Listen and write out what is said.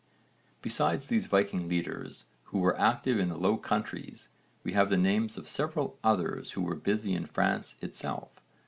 Besides these Viking leaders, who were active in the Low Countries, we have the names of several others who were busy in France itself.